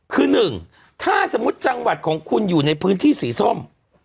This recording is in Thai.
คือ๑ถ้าสมมุติจังหวัดของคุณอยู่ในพื้นที่สีส้ม